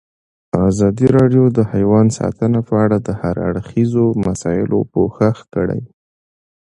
ازادي راډیو د حیوان ساتنه په اړه د هر اړخیزو مسایلو پوښښ کړی.